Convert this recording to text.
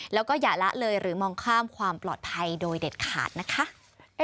แล้วก็อย่าละเลยหรือมองข้ามความปลอดภัยโดยเด็ดขาดนะคะ